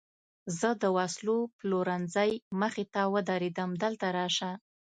زه د وسلو پلورنځۍ مخې ته ودرېدم، دلته راشه.